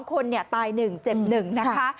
คนตาย๑เจ็บ๑นะคะ